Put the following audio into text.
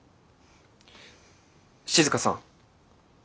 静さん。